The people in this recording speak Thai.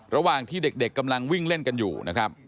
ระหว่างที่เด็กกำลังวิ่งเล่นกันอยู่นะครับ